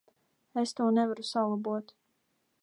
Es to nevaru salabot.